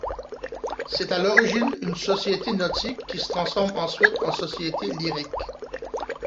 C'est à l'origine une société nautique qui se transforme ensuite en société lyrique.